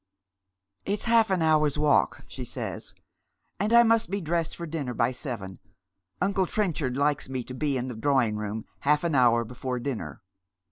" It's half an hour's walk," she says. " And I must be dressed for dinner by seven ; uncle Trenchard likes me to be in the drawing room half an hour before dinner."